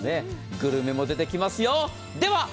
グルメも出てきますよ。